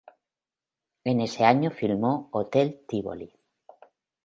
En ese año filmó "Hotel Tívoli".